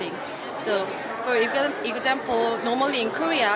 indonesia bisa menikmati segalanya